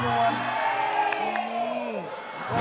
นี่นี่